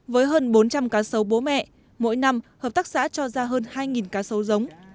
với hơn bốn trăm linh cá sấu bố mẹ mỗi năm hợp tác xã cho ra hơn hai cá sấu giống